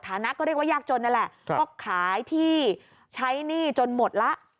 ฐานะก็เรียกว่ายากจนนั่นแหละก็ขายที่ใช้หนี้จนหมดละ